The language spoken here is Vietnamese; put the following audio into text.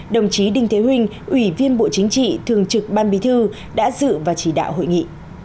đồng chí đinh thế huệ ủy viên bộ chính trị thường trực ban bí thư đã dự và chỉ đạo hội nghị